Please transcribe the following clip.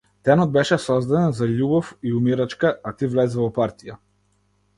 Денот беше создаден за љубов и умирачка, а ти влезе во партија.